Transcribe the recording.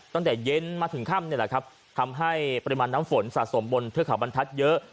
ตั้งแต่เย็นมาถึงค่ำนี่แหละครับทำให้ปริมาณน้ำฝนสะสมบนเทือกเขาบรรทัศน์เยอะ